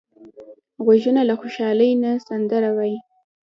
غوږونه له خوشحالۍ نه سندره وايي